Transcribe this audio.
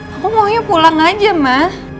aku maunya pulang aja ma